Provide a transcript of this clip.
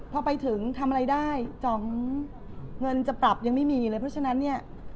พอไปถึงทำอะไรได้จ๋องเงินจะปรับยังไม่มีเลยเพราะฉะนั้นเนี่ย